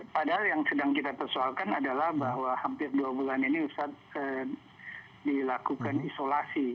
padahal yang sedang kita persoalkan adalah bahwa hampir dua bulan ini ustadz dilakukan isolasi